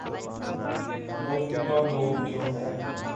موجود ہ لوگ جو ہیں۔